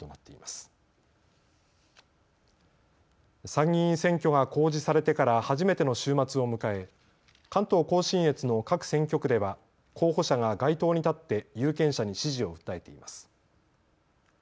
参議院選挙が公示されてから初めての週末を迎え関東甲信越の各選挙区では候補者が街頭に立って有権者に支持を訴えています。